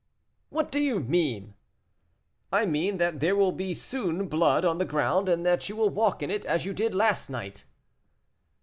"What do you mean?" "I mean that there will soon be blood on the ground, and that you will walk in it, as you did last night."